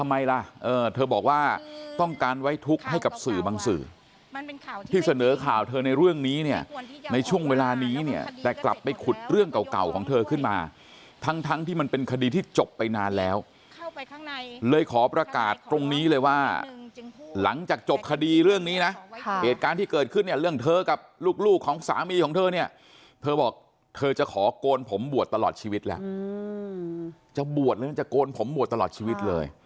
มันไว้ทุกข์ให้กับสื่อบังสื่อที่เสนอข่าวเธอในเรื่องนี้เนี่ยในช่วงเวลานี้เนี่ยแต่กลับไปขุดเรื่องเก่าของเธอขึ้นมาทั้งที่มันเป็นคดีที่จบไปนานแล้วเลยขอประกาศตรงนี้เลยว่าหลังจากจบคดีเรื่องนี้นะเหตุการณ์ที่เกิดขึ้นเรื่องเธอกับลูกของสามีของเธอเนี่ยเธอบอกเธอจะขอกโกนผมบวชตลอดชีวิต